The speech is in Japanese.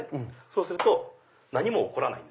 そうすると何も起こらない。